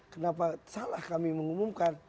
kenapa salah kami mengumumkan